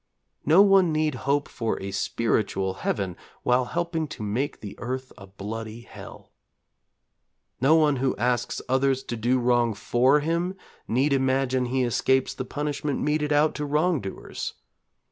No one need hope for a spiritual Heaven while helping to make the earth a bloody Hell. No one who asks others to do wrong for him need imagine he escapes the punishment meted out to wrong doers.